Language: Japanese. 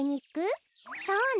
そうね。